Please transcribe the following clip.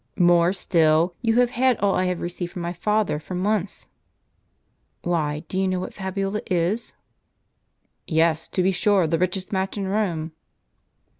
" More still ? You have had all I have received from my father for months." " Why, do you know what Fabiola is ?"* Gaeta. c; s w "Yes, to be sure, the richest match in Rome."